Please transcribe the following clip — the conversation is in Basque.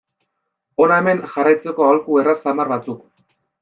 Hona hemen jarraitzeko aholku erraz samar batzuk.